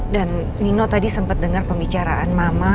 dan nino tadi sempet denger pembicaraan mama